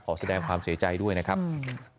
แสดงความเสียใจด้วยนะครับอืม